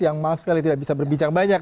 yang maaf sekali tidak bisa berbincang banyak